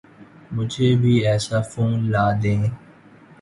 مجھے بھی ایسا فون لا دیں